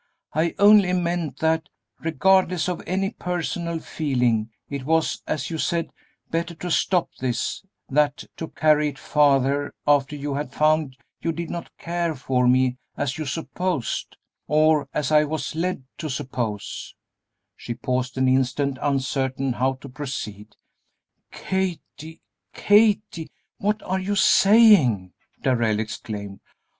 I only meant that, regardless of any personal feeling, it was, as you said, better to stop this; that to carry it farther after you had found you did not care for me as you supposed or as I was led to suppose " She paused an instant, uncertain how to proceed. "Kathie, Kathie! what are you saying?" Darrell exclaimed.